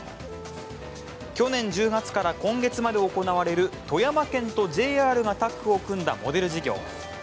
去年１０月から今月まで行われる富山県とＪＲがタッグを組んだモデル事業。